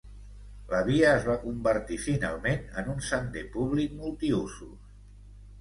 La via es va convertir finalment en un sender públic multiusos.